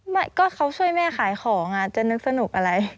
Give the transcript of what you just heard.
ไม่ก็เขาช่วยแม่ขายของจะนึกสนุกอะไร